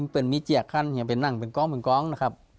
เป็นมิเตียกที่เป็นงั้งก่อนเป็นก๊องนะครับ